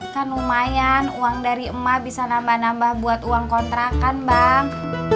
kan lumayan uang dari emak bisa nambah nambah buat uang kontrakan bang